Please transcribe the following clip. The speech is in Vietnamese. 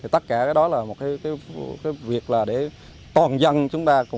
tất cả đó là một cái việc là để toàn dân chúng ta